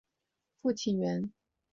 父亲袁。